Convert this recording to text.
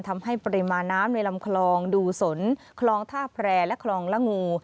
ทำให้ปริมาณน้ำในลำคลองดูสนคลองท่าแพร่และคลองละงู